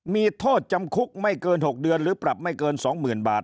มีโทษจำคุกไม่เกิน๖เดือนหรือปรับไม่เกิน๒๐๐๐บาท